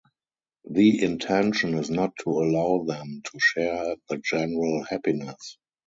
The intention is not to allow them to share the general happiness.